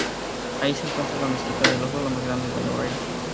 Allí se encuentra la Mezquita de Oslo, la más grande de Noruega.